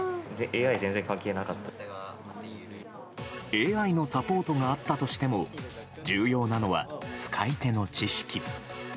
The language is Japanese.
ＡＩのサポートがあったとしても重要なのは使い手の知識。